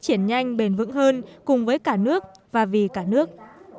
triển nhanh bền vững hơn cùng với cả nước và vì cả nước